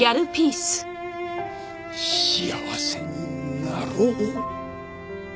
幸せになろう。